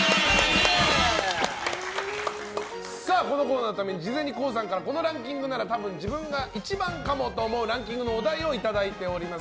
このコーナーのために事前にＫＯＯさんからこのランキングならたぶん自分が１番かもというランキングのお題をいただいています。